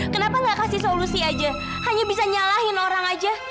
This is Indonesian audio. kenapa gak kasih solusi aja hanya bisa nyalahin orang aja